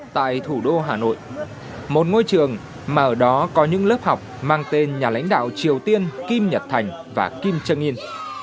tại thủ đô hà nội một ngôi trường mà ở đó có những lớp học mang tên nhà lãnh đạo triều tiên kim nhật thành và kim trân yên